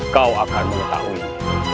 kau akan mengetahuinya